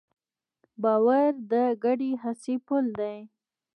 باور د ګډې هڅې پُل دی.